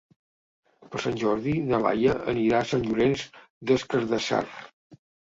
Per Sant Jordi na Laia anirà a Sant Llorenç des Cardassar.